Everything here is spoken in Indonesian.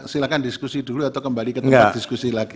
silahkan diskusi dulu atau kembali ke tempat diskusi lagi